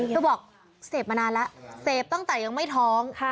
เธอบอกเสพมานานแล้วเสพตั้งแต่ยังไม่ท้อง